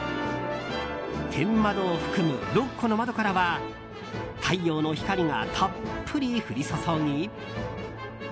天窓を含む６個の窓からは太陽の光がたっぷり降り注ぎ